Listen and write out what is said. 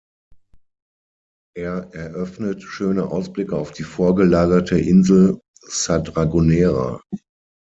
Er eröffnet schöne Ausblicke auf die vorgelagerte Insel "Sa Dragonera".